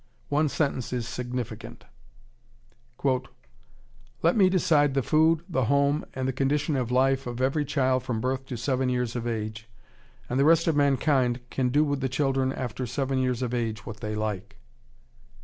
One sentence is significant: "Let me decide the food, the home, and the condition of life of every child from birth to seven years of age, and the rest of mankind can do with the children after seven years of age what they like."